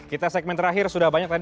kita segmen terakhir sudah banyak tadi